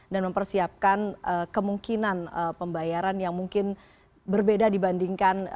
dan mempersiapkan kemungkinan pembayaran yang mungkin berbeda dibandingkan